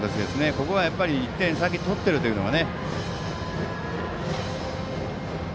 ここは、１点先に取っているというのが。